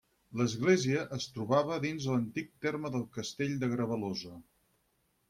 L'església es trobava dins l'antic terme del castell de Grevalosa.